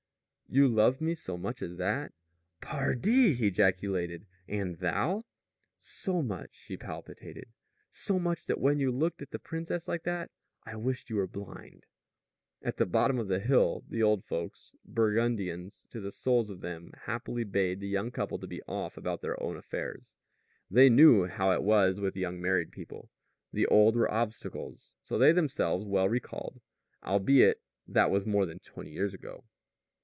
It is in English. "You love me so much as that?" "Pardi!" he ejaculated. "And thou?" "So much," she palpitated, "so much that when you looked at the princess like that I wished you were blind!" At the bottom of the hill, the old folks, Burgundians to the souls of them, happily bade the young couple to be off about their own affairs. They knew how it was with young married people. The old were obstacles so they themselves well recalled albeit that was more than twenty years ago.